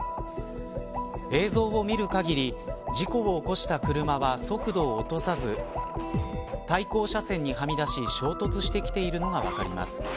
映像を見る限り事故を起こした車は速度を落とさず対向車線に、はみ出し衝突してきているのが分かります。